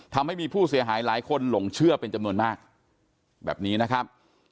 ทำให้มีผู้เสียหายหลายคนหลงเชื่อเป็นจำนวนมากแบบนี้นะครับ